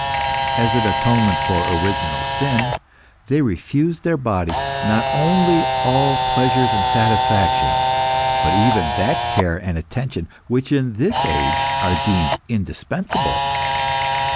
As an atonement for original sin, they refused their body not only all pleasures and satisfactions, but even that care and attention which in this age are deemed indispensable.